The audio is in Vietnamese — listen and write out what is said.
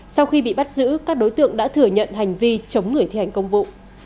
sau khi bị bắt giữ các đối tượng đã thừa nhận hành vi chống người thi hành công vụ